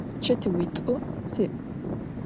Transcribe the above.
Çetıuit'u si'.